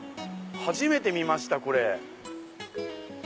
初めて見ましたこれ。